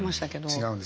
違うんです。